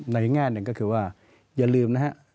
แง่หนึ่งก็คือว่าอย่าลืมนะฮะ